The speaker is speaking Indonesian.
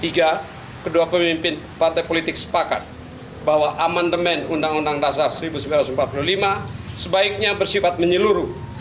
ketiga kedua pemimpin partai politik sepakat bahwa amandemen undang undang dasar seribu sembilan ratus empat puluh lima sebaiknya bersifat menyeluruh